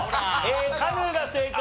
カヌーが正解。